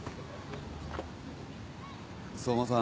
相馬さん